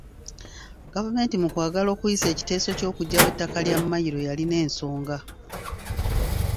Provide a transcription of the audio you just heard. Gavumenti mu kwagala okuyisa ekiteeso ky’okuggyawo ettaka lya Mmayiro yalina ensonga.